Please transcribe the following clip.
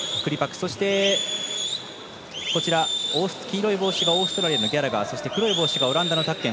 そしてオーストラリアのギャラガー黒い帽子がオランダのタッケン。